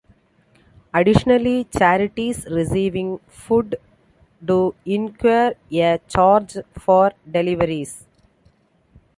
Additionally, charities receiving food do incur a charge for deliveries.